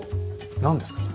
何ですか？